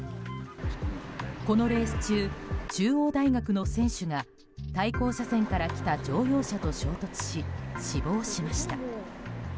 このレース中、中央大学の選手が対向車線から来た乗用車と衝突し死亡しました。